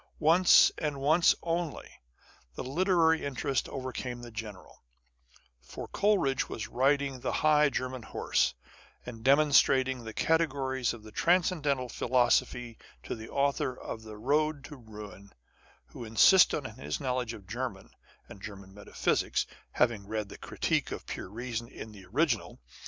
Once, and once only, the literary interest overcame the general. For Coleridge was riding the high German horse, and demon strating the Categories of the Transcendental Philosophy to the Author of the Boad to Ruin ; who insisted on his knowledge of German, and German metaphysics, having read the Critique of Pure Reason in the original.